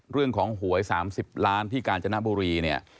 เรื่องของหวย๓๐ล้านที่การจนบุรีเนี่ย